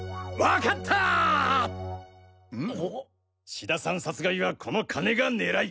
志田さん殺害はこの金が狙い。